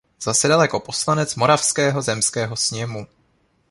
Zasedal jako poslanec Moravského zemského sněmu.